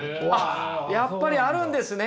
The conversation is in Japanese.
やっぱりあるんですね。